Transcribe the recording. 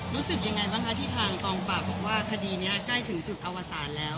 รู้สึกยังไงบ้างคะที่ทางกองปราบบอกว่าคดีนี้ใกล้ถึงจุดอวสารแล้ว